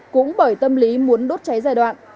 cũng bởi tâm lý muốn đốt cháy giai đoạn